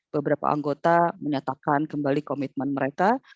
beberapa anggota menyatakan kembali komitmen mereka